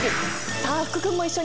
さあ福君も一緒に！